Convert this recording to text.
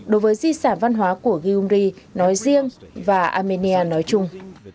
đối với di sản văn hóa của gyungri nói riêng và armenia nói chung